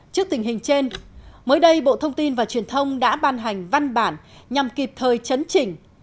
trước tình hình trên mới đây bộ thông tin và truyền thông đã ban hành văn bản nhằm kịp thời chấn chỉnh